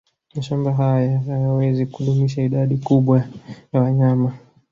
Mashamba hayo hayawezi kudumisha idadi kubwa ya wanyama